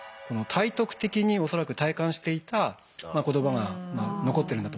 体得的に恐らく体感していた言葉が残ってるんだと思うんですよね。